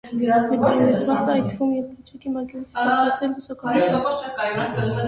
Նկարի մեծ մասը, այդ թվում և լճակի մակերևույթը պատված է բուսականությամբ։